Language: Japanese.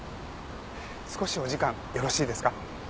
少しお時間よろしいですか？